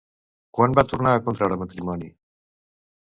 Quan va tornar a contreure matrimoni?